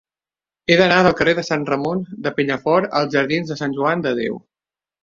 He d'anar del carrer de Sant Ramon de Penyafort als jardins de Sant Joan de Déu.